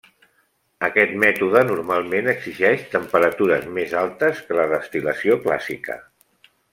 Aquest mètode normalment exigeix temperatures més altes que la destil·lació clàssica.